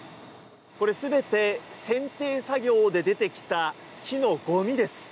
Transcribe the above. これ、全てせん定作業で出てきた木のゴミです。